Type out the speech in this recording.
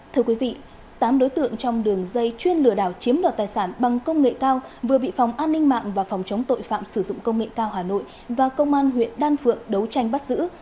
thưa quý vị tám đối tượng trong đường dây chuyên lừa đảo chiếm đoạt tài sản bằng công nghệ cao vừa bị phòng an ninh mạng và phòng chống tội phạm sử dụng công nghệ cao hà nội và công an huyện đan phượng đấu tranh bắt giữ